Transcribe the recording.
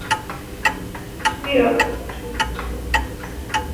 Elliot Brindel তুইও একটা challenge ছিলি।